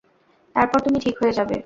তারপর তুমি ঠিক হয়ে যাবে।